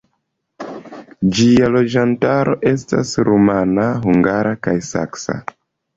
Ĝia loĝantaro estas rumana, hungara kaj saksa.